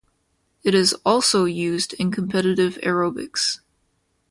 It is also used in competitive aerobics.